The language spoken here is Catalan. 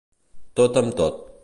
Tot amb tot.